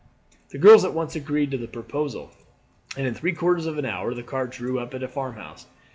The girls at once agreed to the proposal, and in three quarters of an hour the cart drew up at a farmhouse.